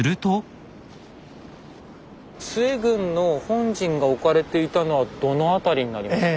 陶軍の本陣が置かれていたのはどの辺りになりますか？